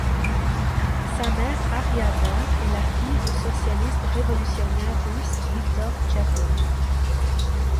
Sa mère Ariadna est la fille du socialiste révolutionnaire russe Viktor Tchernov.